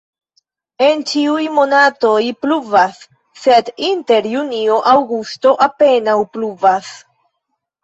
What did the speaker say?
En ĉiuj monatoj pluvas, sed inter junio-aŭgusto apenaŭ pluvas.